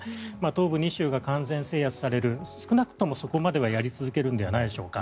東部２州が完全制圧される少なくともそこまではやり続けるのではないでしょうか。